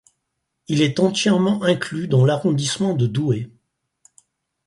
Il est entièrement inclus dans l'arrondissement de Douai.